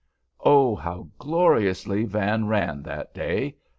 Oh, how gloriously Van ran that day!